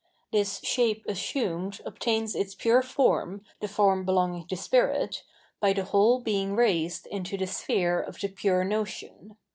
This shape assumed obtains its pure form, the form belonging to spirit, by the whole being raised into the sphere of the pure notion.